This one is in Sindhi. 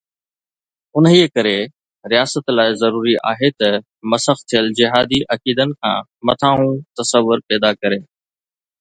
انهيءَ ڪري رياست لاءِ ضروري آهي ته مسخ ٿيل جهادي عقيدن کان مٿانهون تصور پيدا ڪري.